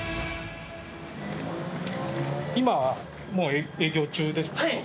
今営業中ですか？